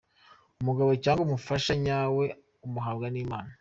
Umugabo cyangwa umufasha nyawe umuhabwa n’Imana.